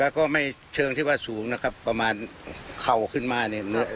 แล้วก็ไม่เชิงที่ว่าสูงนะครับประมาณเข่าขึ้นมาเนี่ย